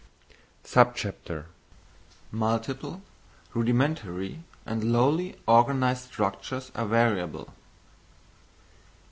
_Multiple, Rudimentary, and Lowly organised Structures are Variable.